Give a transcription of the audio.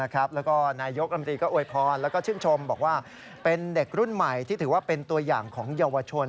แล้วก็นายกรมตรีก็อวยพรแล้วก็ชื่นชมบอกว่าเป็นเด็กรุ่นใหม่ที่ถือว่าเป็นตัวอย่างของเยาวชน